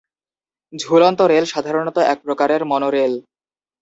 ঝুলন্ত রেল সাধারণত এক প্রকারের মনোরেল।